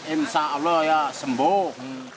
insya allah ya sembuh